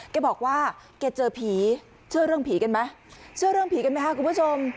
แกบอกว่าแกเจอผีเชื่อเรื่องผีกันไหมเชื่อเรื่องผีกันไหมคะคุณผู้ชม